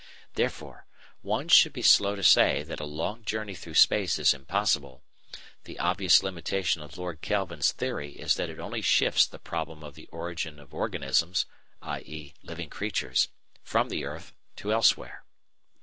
Therefore, one should be slow to say that a long journey through space is impossible. The obvious limitation of Lord Kelvin's theory is that it only shifts the problem of the origin of organisms (i.e. living creatures) from the earth to elsewhere.